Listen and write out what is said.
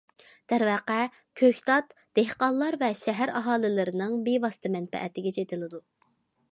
دەرۋەقە، كۆكتات دېھقانلار ۋە شەھەر ئاھالىلىرىنىڭ بىۋاسىتە مەنپەئەتىگە چېتىلىدۇ.